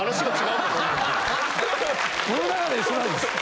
僕の中で一緒なんです。